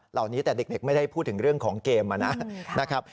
เหล่านี้แต่เด็กไม่ได้พูดถึงเรื่องของเกมนะครับ